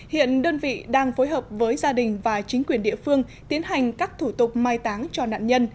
hiện đơn vị đang phối hợp với gia đình và chính quyền địa phương tiến hành các thủ tục mai táng cho nạn nhân